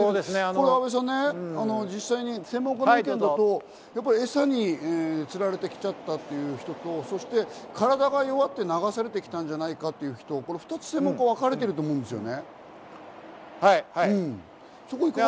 阿部さん、実際、専門家の意見だとエサに釣られてきちゃったという人と、体が弱って流されてきたんじゃないかという人、２つ、専門家でわかれていると思うんですよね。